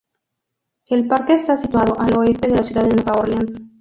El Parque está situado al este de la ciudad de Nueva Orleans.